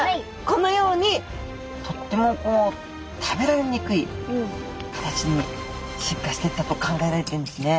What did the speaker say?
このようにとってもこう食べられにくい形に進化していったと考えられているんですね。